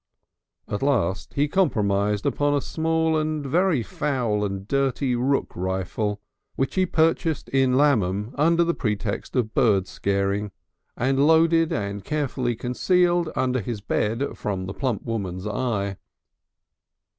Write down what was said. At last he compromised upon a small and very foul and dirty rook rifle which he purchased in Lammam under a pretext of bird scaring, and loaded carefully and concealed under his bed from the plump woman's eye.